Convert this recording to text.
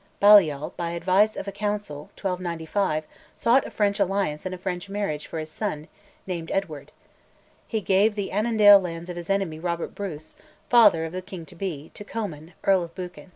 Balliol, by advice of a council (1295), sought a French alliance and a French marriage for his son, named Edward; he gave the Annandale lands of his enemy Robert Bruce (father of the king to be) to Comyn, Earl of Buchan.